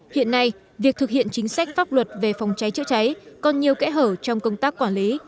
hiện nay việc thực hiện chính sách pháp luật về phòng cháy chữa cháy còn nhiều kẽ hở trong công tác quản lý